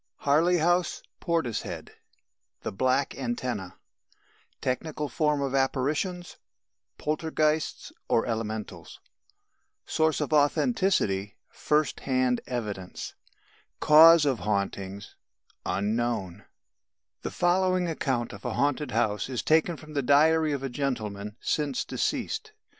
HARLEY HOUSE, PORTISHEAD THE BLACK ANTENNÆ Technical form of apparitions: Poltergeists (or Elementals) Source of authenticity: First hand evidence Cause of hauntings: Unknown The following account of a haunted house is taken from the diary of a gentleman since deceased.